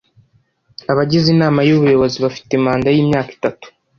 Abagize Inama y’Ubuyobozi bafite manda y’imyaka itatu